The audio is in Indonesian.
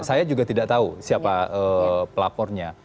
saya juga tidak tahu siapa pelapornya